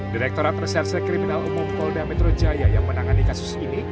direkturat reserse kriminal umum polda metro jaya yang menangani kasus ini